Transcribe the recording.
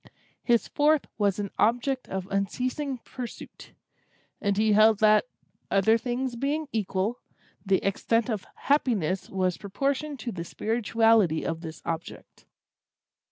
His fourth was an object of unceasing pursuit; and he held that, other things being equal, the extent of happiness was proportioned to the spirituality of this object.